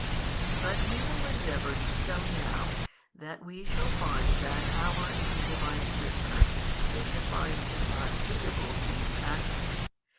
But we will endeavour to shew now, that we shall find that hour in the Divine Scriptures signifies the time suitable to each action.